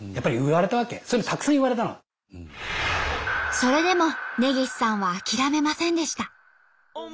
それでも根岸さんは諦めませんでした。